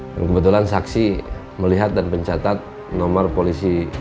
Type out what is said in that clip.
dan kebetulan saksi melihat dan pencatat nomor polisi